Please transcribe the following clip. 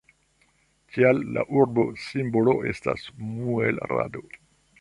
Tial, la urba simbolo estas muel-rado.